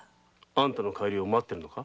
あんたの帰りを待っているのか？